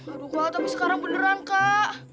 aduh banget tapi sekarang beneran kak